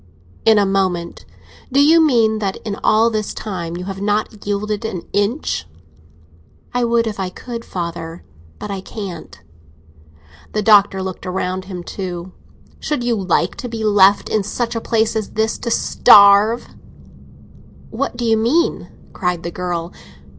"In a moment. Do you mean that in all this time you have not yielded an inch?" "I would if I could, father; but I can't." The Doctor looked round him too. "Should you like to be left in such a place as this, to starve?" "What do you mean?" cried the girl.